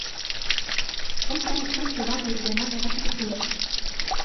Он станет частью важной региональной архитектуры.